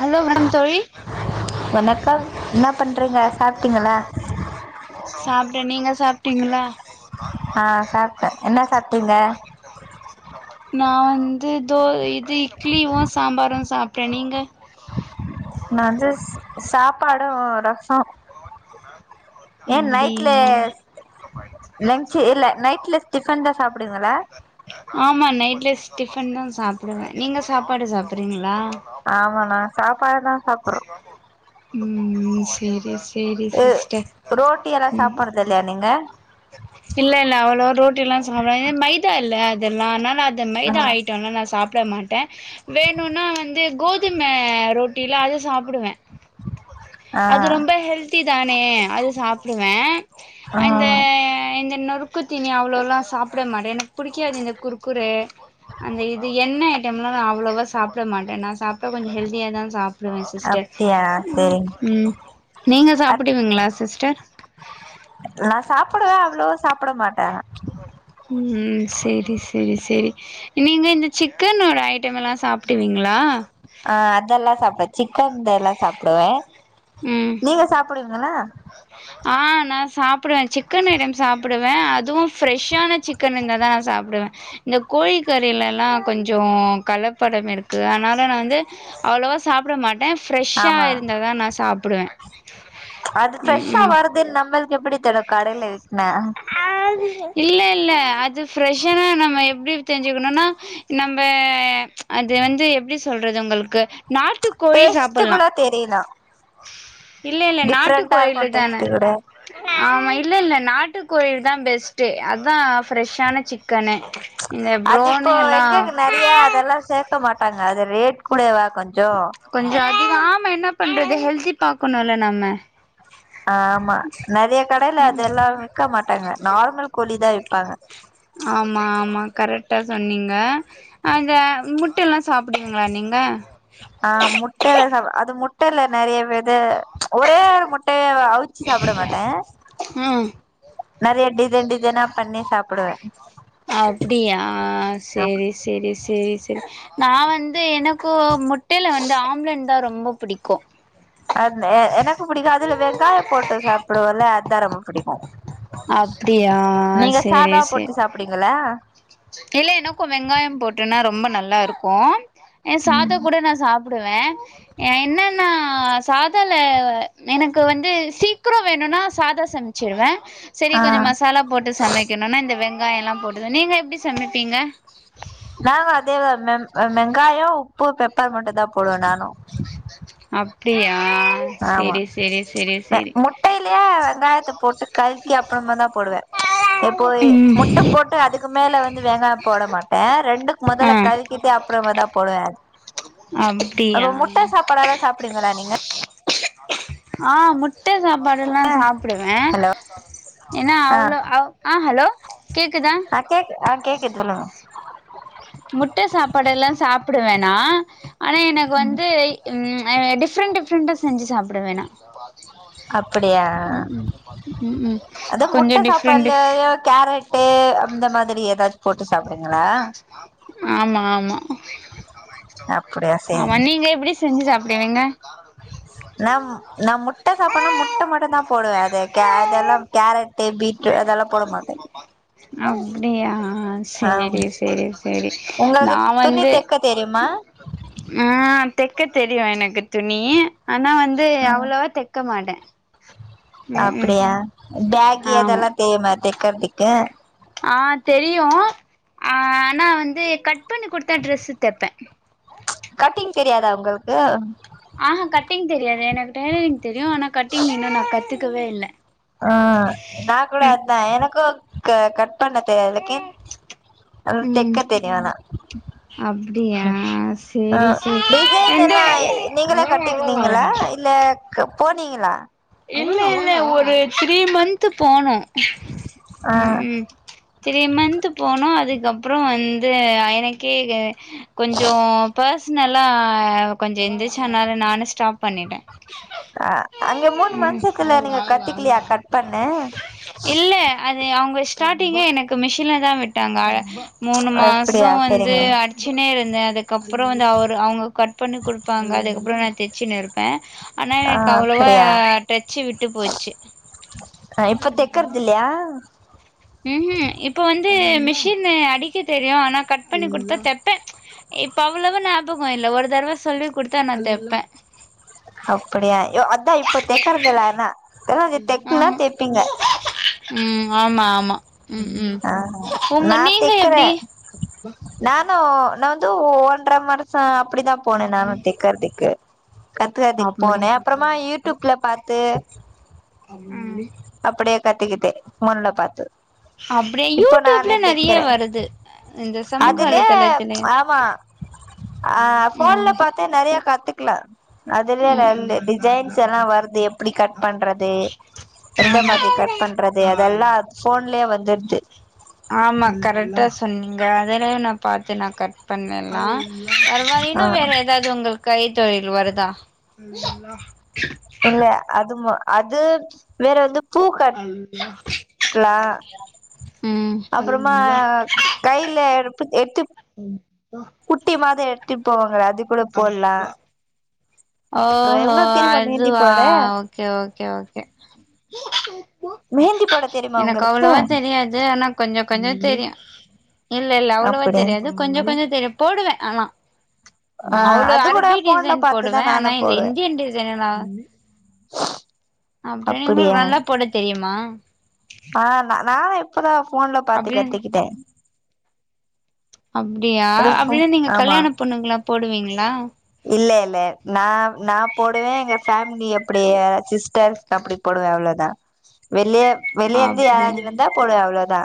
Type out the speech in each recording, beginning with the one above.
Hello வணகம் தோழி வணக்கம் என்ன பண்றீங்க சாப்பிட்டீங்களா சாப்ட்டே நீங்க சாப் ட்டிங்களா ஆ சாப்பிட்டேன் என்ன சாப்பிட்டீங்க நா வந் ந்து தோ இது இட்லியொ சாம்பாரு சாப் க்கா நீங்க பாடு ரசம் [inaudible] ஏன் நைட்ல அப்டியா லஞ்சு இல்ல நைட்ல டிஃபன் தான் சாப்பிடுவீங்களா ஆமா நைட்லெஸ் டிஃபன் தான் சாப்டுவேன் நீங்க சாப்பாடு சாப்பிட்றீங்கள ஆமா நா சாப் பானா சாப்பறோம் உம் செரிஸ் அ ரோட்டி எல்லாம் சாப்படுறது இல்லையா நீங்க இல்ல இல்ல அவ்ளவோ ரோட்டி எல்லாம் சாப்பிட ஏன்னா மைதா இல்ல அதெல்லாம் அதனால அது இந்த ஆ மைதா ஐட்டொல்லா நான் சாப் ப்பட மாட்டேன் வேணுன்னா வந்து கோதும ரொட்டியிலாம் அது சாப்புடுவேன் ஆ அது ரொம்ப ஹெல்தி தானே அது சாப் ப்டுவேன் ஆஹ் இந்த இந்த நொறுக்கு தீனி அவ்ளோல்லாம் சாப் ப்பட மாட்டேன் எனக்கு புடிக்காது இந்த குர்குரே அந்த இது எண்ண ஐட்டம்லாம் நான் அவ்ளோவா சாப்ட மாட்டேன் நான் சாப் ப்ப கொஞ்சம் ஹெல்தியா தான் சாப்பிடுவேன் சிஸ்டர் அப்படியா சரிங்க உம் நீங்க அத்- சாப்புடுவீங்களா சிஸ்டர் புடுவேன் அவ்ளோவா சாப்பா ப்பட மாட்டேன் ம் உம் செரி செரி செரி நீங்க இந்த சிக்கனோட ஐட்டம் எல்லாம் சாப்டுவீங்களா... ஆஹ் அதெல்லாம் சாப்டுவே... சிக்கன் எல்லாம் சாப்டுவே.. நீங்க சாப் அப்புடிங்களா ஆஹ் நா சாப்டுவ சிக்கன் ஐட்டம் சாப்டுவ அதுவும் ஃப்ரெஷ்ஷான சிக்கன் இருந்தாதா நா சாப்டுவ இந்த கோழிக்கறிலல்லாம் கொஞ்சோ கலப்படம் இருக்கு அதனால நானு வந்து அவ்வளவா சாப்ட மாட்ட பிரெஷ் ஆஹ் ஆமா இருந்த தா நா சாப் சாப்படுவே அது ஃப்ரெஷ்ஷா வருது நம்மளு எப்படி தரும் கடையில இருகேண இல்ல இல்ல அது ப்ரெஷ்ஷாவே நம்ம எப்படி தெரிஞ்சுக்கணும்னா நம்ம அது வந்து எப்படி சொல்றது உங்களுக்கு நாட்டு கோழி டேஸ்ட் கூட சாப்பலாம் தெரியலா இல்ல இல்ல நாட்டு டிஃப்ரெண்டா கோழியில இருக்கு தானே டேஸ்ட் கூட ஆமா இல்ல இல்ல நாட்டு கோழியில தா பெஸ்ட்டே அதா பிரெஷ்ஷானா சிக்கனு இந்த அது இப்போ ப்ரோனி எல்லா எங்கங்க நெறைய அதெல்லாம் சேக்க மாட்டாங்க அது ரேட் குடயவா கொஞ் கொஞ்சோ அதிகோ ஆமா என்னப் பண்றது ஹெல்தி பாக்கணுல நாம ஆமா நெறய கடைல அதல்லா விக்க மாட்டாங்க நார்மல் கோழி தா விப்பாங்க ஆமா ஆமா கரெக்டா சொன்னீங்க அந்த முட் ட்டல்லா சாப்டுவீங்களா நீங்க ஆஹ் முட்டய்ல்ல சாப்வே அது முட் ட்டயில நெறைய வெத ஒரே முட்டைய அவிச்சு சாப்ட மாட்டே ம் நெறைய டிசைன் டிசைனா பண்ணி சாப் ப்டுவ அப்டியா ஆமா சரி சரி ச சரி சரி நா வந்து எனக்கூ முட்டைல வந்து ஆம்லன் தா ரொம்ப பிடிக்கு அதுனே எனக்கு புடிக்கு அதுல வெங்காயொ போட்டு சாப்டுவோல்ல அதா ரொம்ப க்கு அப்டியா நீங்க சேரி சாதா போட்டு சேரி சாப்டுவிங்களா இல்ல எனக்கு வெங்காயம் போட்டுன்னா ரொம்ப நல்லா இருக்கு ஏன் சாத கூட நா சாப்டுவே எ என்னன்னா சாதோல எனக்கு வந்து சீக்ரோ வேணுனா சாதா சமைச்சீடுவே சரி ஆ கொஞ்சோ மசாலா போட்டு சமைக்கணுனா இந்த வெங் ங்கயல்லா போடுவ நீங்க எப்டி சமப்பீங்க நாங்க அதேதா மேம் வெங்காயொ உப்பு பெப்பர் மட்டுந்தா போடுவ நானு அப்டியா ஆமா செரி செரி செரி ப செரி முட்டைலயா வெங்காயத்த போட்டு கல்கி அப்ரோமா தா போடுவ எப்போய் முட்ட ம் போட்டு அதுக்கு மேல வந்து வெங்காயொ போட மாட்ட ரெண்டுக் ஆ மொதல்ல கல்கிட்டு அப்புறமா தா போடுவ அது அப்டியா அவ் முட்ட சாப்படாத சாப்டுவிங்களா நீங்க ஆ முட்ட சாப் படுல்லா சாப்புடுவ ஹலோ ஏன்னா ஆ அவ்ளோ அவ் ஆ ஹலோ கேக்குதா ஆ கேக்கு ஆ கேக்குது சொல்லுங்க முட்ட சாப்பாடுல்லா சாப்புடுவன் நா ஆனா எனக்கு வந்து இம் அ டிஃப்ரெண்ட் டிஃப்ரெண்டா செஞ்சி அப்படியா ம் ம் ம் ம் அத கொஞ்சோ முட்ட டிஃப்ரெண்ட் டிஃப் சாப்பாடுலேயோ கேரட் அந்த மாதிரி எதாச் போட்டு சாப்டுவிங்களா ஆமா ஆமா அப்படியா ஆமா சேரிங்க நீங்க எப்டி சர் செஞ்சு சாப்டுவீங்க நா நா முட்ட சாப்பன்னா முட்ட மட்டுந்தா போடுவே அது கே அதெல்லா கேரட்டு பீட்ரு அதெல்லா போட மாட்டே அப்டியா ஆ சேரி சேரி உங்களுக்கு நா துணி வந்து தெக்க தெரியுமா ம் தெக் க்க தெரியு எனக்கு துணி ஆனா வந்து ம் அவ்ளாவா தைக்க மாட்ட அப்டியா பேக்கு ஆமா அதெல்லா தெய்யுமா தைக் கிறதுக்கு ஆ தெரியு ஆனா வந்து கட் பண்ணி குடுத்த ட்ரெஸ்சு தைப்ப கட்டிங் தெரியாதா உங்களுக்கு ஆஹா கட்டிங் தெரியாது எனக்கு டெய்லரிங் தெரியு ஆனா கட்டிங் இன்னு நா கத்து க்வே இல்ல ஆ நா கூட ம் அதுதா எனக்கு க கட் இப்ப அந்தட்டு லக்கேன் அந் ம் தெக்க தெரியு ஆனா ஆ ஆ டிசைன் எல்லா எ நீங்களே கட்டிக்கினிங்களா இல்ல கம் போனீங்ளா இல்ல இல்ல ஒரு த்ரீ மந்த் போனோ ஆ ம் ம் த்ரீ மன்த் போனோ அதுக் அதுக்கப்றோ வந்து அ எனக்கே க கொஞ்சோ பர்ஷ்னலா ஆ கொஞ்சே இருந்திரிச்சா அதனால நானு ஸ்டாப் பண்ணிட்டே அ அங் இங்க மூணு மந்துகுள்ள நீங்க கத்திகில்லயா கட் பண்ண ஸ்டார்டிங்க எனக்கு மிஷின்ல தா விட்டாங்க ஆ மூணு மாசசோ அப்படியா வந்து சரிங்க அடிச்சுனே இரு வந்து அதுக்கப்றோ வந்து அவரு அவங்க கட் பண்ணி குடுப்பாங்க அதுக்கப்றோ நா தச்சினு இருப்பே ஆனா ஆ எனக்கு அவ்ளோ வ அப்படியா டச்சு விட்டு போச்சு இப்ப தைக்கறது இல்லையா ம்ஹூம் இப்ப வந் ந்து மிஷின் அடிக்க தெரியு ஆனா கட் பண்ணி குடுத்தா தப்பே இப்ப அவ்ளோவா ஞாபகம் இல்ல ஒரு தடவ சொல்லி குடுத்தா நா தப்பேன் அப்டியா யோ அதா இப்பத் தைக்கறதுல்ல ஆனா ஏனா தைக்கு னா ஆஹா தைப்பிங்க ம் ஆமா ஆமா ம் ம் ஆ உங்க நா நீங்க எப்டி னோ நா வந்து ஓன்டற வருச அப்டித்தா போனே நானு தெக்கறதுக்கு கத்துக்கத்துக்கு அப்படியா போனேன் அப்புறமா யூடியூப்ல பாத்து அப்படியே கத்துக்கிட்டே போன்ல பார்த்து அப்படியே யூடியூப்ல நிறைய வருது இந்த சமூக அதுலயே வலைதளங்களில ஆமா ம் ல அதுலயே ம் நல்ல டிசைன்ஸ் எல்லாம் வருது எப்படி கட் பண்றது எந்த ஆமா மாதிரி கட் பண்றது அதெல்லாம் ஃபோன் ல்லயே வர் ஆமா கரெக்டா சொன்னிங்க அதலய நான் பார்த்து நான் கட் பண்ணலாம் அர மாரி ஆ ன்னும் வேற ஏதாவது உங்களுக்கு கை தொழில் வருதா இல்ல அதுமா அது வேறந்து பூ கட்டட்டலாம் ம் அப்புறமா கைல எத்து குட்டி மாதம் எ த்தி போவங்களாது து கூட போட்லாம் ஓஹோ மெஹந்தி அதுவா போட ஓகே ஓகே ஓகே மெஹந்தி போட தெரியுமா எனக்கு உங்களுக்கு அவ்வளவா தெரியாது ஆனா கொஞ்சம் கொஞ்சம் தெரியும் இல்ல இல்ல அவ்ளவா அப்டி தெரியாது கொஞ்சம் கொஞ்சம் தெரியும் போடுவேன் ஆனா ஆ அது கூட போன்ல பாத்து. ன் ஆனா இந்தியன் டிசைன் ந வ அப்படின்னு உங்களுக்கு அப்டியா நல்லா போட தெரியுமா? ஆ ந நான் இப்பதான் போன்ல பாத்துக்கத்துக்கிட்ட அப்படியா அது ஃபோ அப்படிலாம் நீங்க ஆமா கல்யாண பொண்ணுங்கல்லாம் போடுவீங்க லா இல்ல இல்ல நான் நான் போடுவேன் எங்க ஃபேமிலி அப்படியே சிஸ்டர் அப்படி போடுவேன் அவ்வளோதா. வெளிய வெளியேந்துயாராச்சும் வந்த போடுவ அவ்வளோ த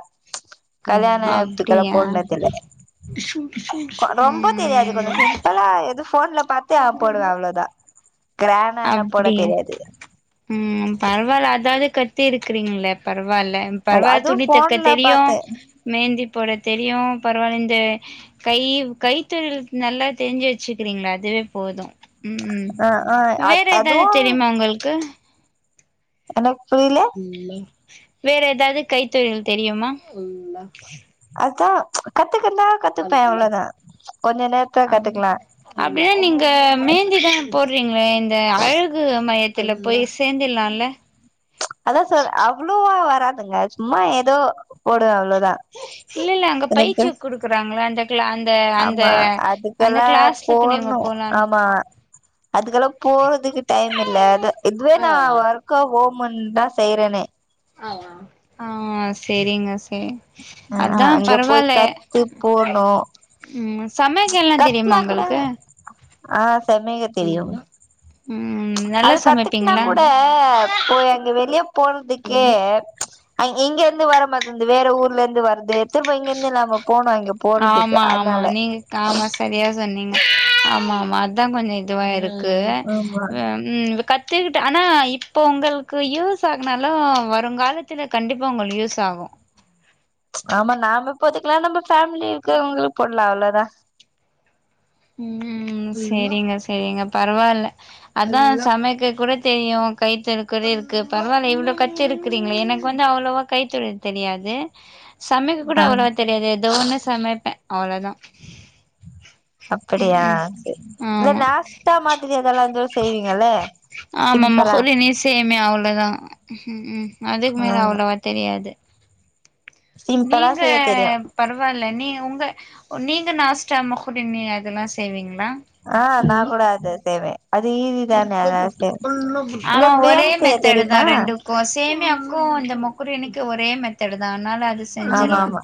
அப்படியா போட்னதில்ல ரொம்ப தெரியாது கொஞ்சம் சிம்பளா எது போன்ல பத்தே ஆ போடுவேன் அவ்வளோதான். அப்படிய உம் பரவாயில்ல அதாவது கத்து த்தி இருக்கிறீங்களே பரவ பரவாயில்ல அது பரவாயில்ல அதுவு துணி தக்க ஃபோன்ல தெரியும் பாத்து மேந்தி போட தெரியும் பரவாயில்ல இந்த கை கைத்தொழில் நல்லா தெரிஞ்சு வெச்சுக்கிறீங்களா அதுவே போதும். உம் உம் ஆ ஆ அ வேற ஏதாவது அதுவு தெரியுமா உங்களுக்கு ஹலோ இல்ல வேற ஏதாவது கைத்தொழில் தெரியுமா உள்லா கட் [unintelligible] கொஞ்ச நேரத்துல கத்துக்கலா அப்படின்னா நீங்க மேந்திதான் போடுறீங்களே இந்த அழகு மையத் ல போய் சேர்ந்தர்லாம்ல. பாக்க சும்மா ஏதோ போடுவ அவ்வளோ இல்ல இல்ல அங்க பயிற்சி குடுக்குறாங்கள அந்த அ ஆமா அதுக்கெல்லாம் நீங்க போகணும் போலால ஆமா அதுக்கெல்லாம் போறதுக்கு டைம் இல்ல இதுவே ஆமா நான் ஒர்க்கா ஹொம் முன் தான் செறனே ஆமா ஆஹ் செரிங்க ஸ் அஹ்ஹ அங்க போய் கத்து போணு உம் சமையகல்லா தெரியுமா உங்களுக்கு ஆஹ் செமக தெரியு அல்லா ம் நல்லா அது கத்துக்குனா சமைப்பீங்களா கூட நல்லா இப்பே எங்க வெளியே போறதுக்கே அ இங்க இருந்து வர மாத இருந்து வேற ஊர்ல இருந்து வருது திரும்ப இங்க இருந்து நாம போனோ இங்க போறதுக்கு ஆமா ஆமா அதனால நீங்க ஆமா சரியா சொன்னீங்க ஆமா ஆமா அதா கொஞ்ச இதுவா இருக் கு ஆமா உம் த்துக்குட்டு ஆனா இப்பே உங்களுக்கு யூஸ் ஆகுனாலு வருங்காலத்துல கண்டிப்பா உங்களுக்கு யூஸ் ஆகு ஆமா நாம போத்துக்கலா நம்ம பேஃமலி இருக்கிறவங்களுக்கு போடலாள உம் செரிங்க செரிங்க பரவால்ல அதா சமைக்க கூட தெரியு கைத்தழு கூட இருக்கு பரவாயில்ல இவ்வளவு கத்து இருக்குறீங்களே எனக்கு வந்து அவ்வளவ் கைத்தொழில் தெரியாது சமைக்க கூட ஆ அவ்வளவோ தெரியாது ஏதோ ஒண்ணு சமைப்பே அவ்ளோதா ம் அப்படியா ம் சரி ஆமா லாஸ்ட்டா மாதிரி அதெல்லா ஏதோ செய்வீங்கில்ல சிம்பிளா அ உம் ம் அதுக்கு ஆ மேல அவ்ளவா தெரியாது சிம்பிளா நீங்க செய்ய தெரியு பரவால்ல நீ உங்க நீங்க நாஸ் டைம் ஓப்பன் நீ அதெல்லா செய்வீங்கள ஆ நா கூட அதே சேய்வ ஆமா உங்களுக்கு ஒரே பிரியாணி செய்ய மெத்தட தா தெரியுமா ரெண்டுக்கு சேமியாக்கு இந்த எனக்கு ஒரே மெத்தடுதா ஆனால ஆமா செஞ்சில்லா ஆமா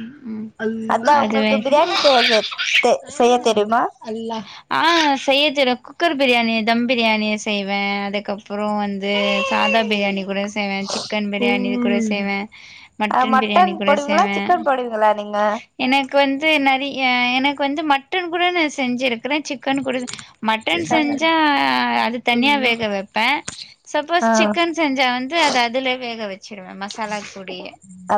ம் உம் அல்லா அதா அது உங்களுக்கு வந்து பிரியாணி செய்ய செ தெ செய்ய தெரியுமா அல்லா ஆ செய்ய தெறியு குக்கர் பிரியாணி தம் பிரியாணிய செய்வே அது அதுக்கப்புறோ வந்து சாதா பிரியாணி கூட செய்வே செய்வ சிக்கன் பியாணி இதுகூட செய்வே ஆ பிரியாணி மட்டன் கூட போடுவிங்களா செய்வே சிக்கன் போடுவீங்களா நீங்க எனக்கு வந்து நெறய ஏ எனக்கு வந்து மட்டன் கூட நா செஞ்சிரு கற சிக்கன் கூட செ மட்டன் செஞ்ச அது தனியா வேக வெப்ப சப்போஸ் ஆ சிக்கன் செஞ்சா வந்து அது அதுல வேக வச் வச்சுருவே மசாலா கூடயே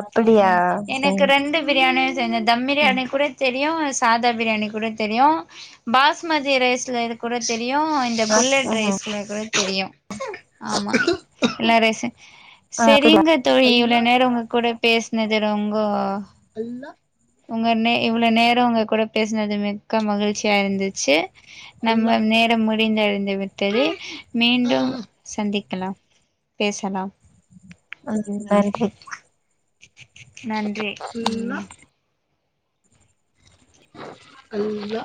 அப்படியா ம் சரி எனக் ரெண்டு பிரியாணி இந்த தம் பிரியாணி கூட தெரியு சாதா பிரியாணி கூட தெரியு பாஸ்மதி ரைஸ்ல கூட தெரி தெரியு இந்த ஆ புல்லட் ம் ரைஸ்ல கூட தெரியு ஆமா எல்ல ரேசன் ஆ அப்படியா சரிங்க தோழி இவ்ள நேரோ உங்க கூட பேசினது ரோங்கோ உங்க நே இவ்ளவ் நேர உங்க கூட பேசினது மிக்க மகிழ்ச்சியா ருந்துச்சு நம்ம நேரம் முடிந்த றிந்து விட்டது மீண்டும் சந்திக்கலாம் பேசலாம் அது நன்றி நன்றி ம் அல்லா